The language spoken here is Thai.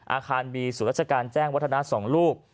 อาคารมีศูนย์ราชการแจ้งวัฒนา๒ลูก